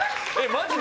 マジで？